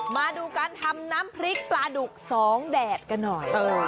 มาดูการทำน้ำพริกปลาดุกสองแดดกันหน่อย